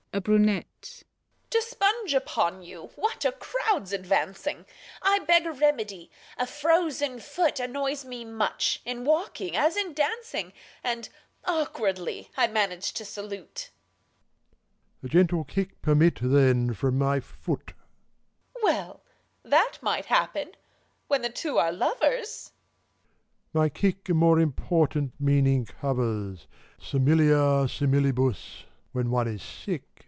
A brunette. To sponge upon you, what a crowd's advancing! I beg a remedy : a frozen foot Annoys me much, in walking as in dancing; And awkwardly I manage to salute. mephistopheles. A gentle kick permit, then, from my foot! the brunetti^ Well, — ^that might happen, when the two aie lovera. ACT I. 57 MEPHISTOPHELES. My kick a more important meaning covers : Similia similibus, when one is sick.